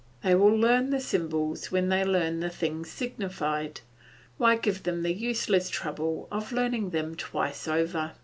They will learn the symbols when they learn the things signified; why give them the useless trouble of learning them twice over?